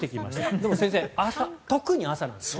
でも、先生特に朝なんですね。